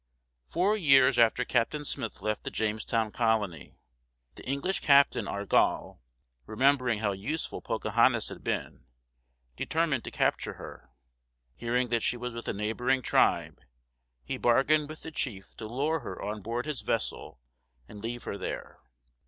Four years after Captain Smith left the Jamestown colony, the English captain Ar´gall, remembering how useful Pocahontas had been, determined to capture her. Hearing that she was with a neighboring tribe, he bargained with the chief to lure her on board his vessel and leave her there.